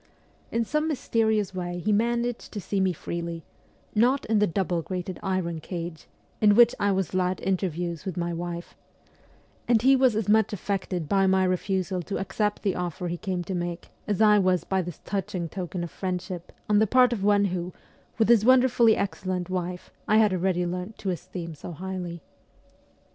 In some mysterious way he managed to see me freely not in the double WESTERN EUROPE 263 grated iron cage in which I was allowed interviews with rny wife and he was as much affected by my refusal to accept the offer he came to make as I was by this touching token of friendship on the part of one who, with his wonderfully excellent wife, I had already learnt to esteem so highly.